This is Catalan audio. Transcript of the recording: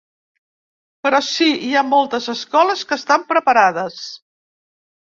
Però sí, hi ha moltes escoles que estan preparades.